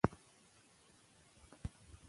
هره ثبت شوې جمله د پښتو د ودانۍ یوه خښته ده.